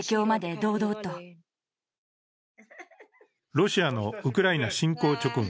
ロシアのウクライナ侵攻直後